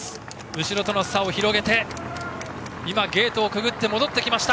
後ろとの差を広げてゲートをくぐって戻ってきました。